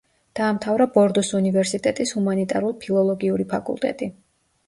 დაამთავრა ბორდოს უნივერსიტეტის ჰუმანიტალურ–ფილოლოგიური ფაკულტეტი.